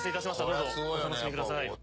どうぞお楽しみください。